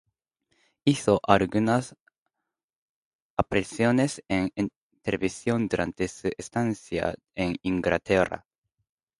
Hizo algunas apariciones en televisión durante su estancia en Inglaterra.